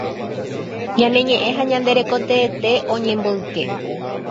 Ñane ñeʼẽ ha ñande reko teete oñemboyke.